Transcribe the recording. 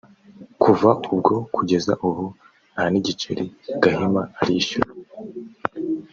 Kuva ubwo kugeza ubu nta nigiceri Gahima arishyura